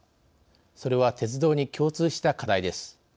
それは、鉄道に共通した課題です。